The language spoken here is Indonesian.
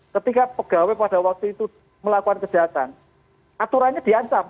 ketika pegawai pada waktu itu melakukan kejahatan aturannya diancam